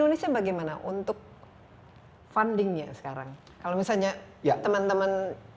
untuk fundingnya sekarang kalau misalnya teman teman joko ingin